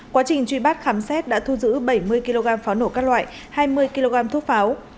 quá trình truy bắt khám xét đã thu giữ bảy mươi kg pháo nổ các loại hai mươi kg thuốc pháo